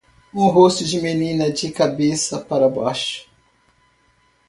Um rosto de menina de cabeça para baixo.